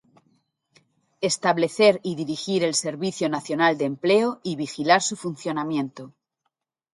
Establecer y dirigir el servicio nacional de empleo y vigilar su funcionamiento.